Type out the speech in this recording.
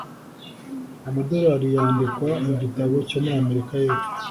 Amadolari yandikwa mu gitabo cyo muri Amerika y'Epfo